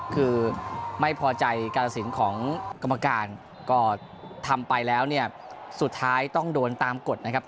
คือไม่พอใจการตัดสินของกรรมการก็ทำไปแล้วเนี่ยสุดท้ายต้องโดนตามกฎนะครับ